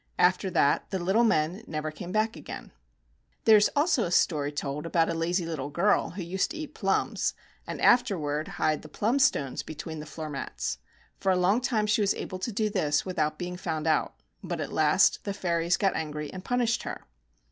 After that the little men never came back again. Higitiicfl^GoOglc CHIN CHIN KOBAEAMA 17 There is also a story told about a lazy little girl, who used to eat plums, and afterward hide the plum stones between the floor mats. For a long time she was able to do this without being found out. But at last the fairies got angry and punished her.